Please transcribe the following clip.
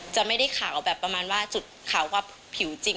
จะไม่ได้ขาวแบบประมาณว่าจุดขาวกับผิวจริง